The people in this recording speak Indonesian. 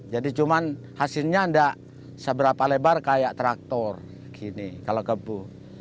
jadi cuma hasilnya gak seberapa lebar kayak traktor gini kalau kebun